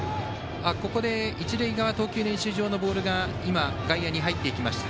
一塁側投球練習場のボールが外野に入っていきました。